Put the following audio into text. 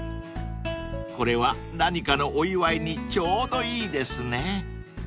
［これは何かのお祝いにちょうどいいですね］